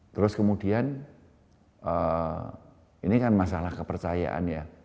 terus kemudian ini kan masalah kepercayaan ya